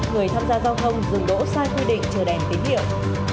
người tham gia giao thông dừng đỗ sai quy định chờ đèn tín hiệu